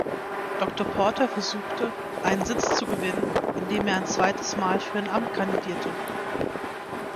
Dr. Porter versuchte, einen Sitz zu gewinnen, indem er ein zweites Mal für ein Amt kandidierte.